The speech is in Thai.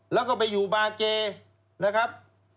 แล้วก็ไปอยู่บาเกนะครับ